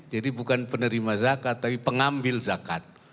jadi bukan penerima zakat tapi pengambil zakat